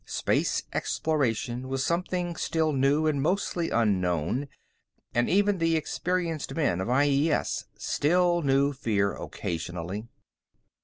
Space exploration was something still new and mostly unknown, and even the experienced men of IES still knew fear occasionally.